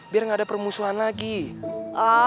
buat menjalin persahabatan boy sama geng serigala ma